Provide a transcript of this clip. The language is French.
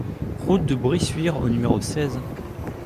Route de Bressuire au numéro seize